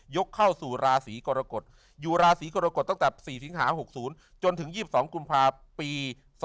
เข้าสู่ราศีกรกฎอยู่ราศีกรกฎตั้งแต่๔สิงหา๖๐จนถึง๒๒กุมภาปี๒๕๖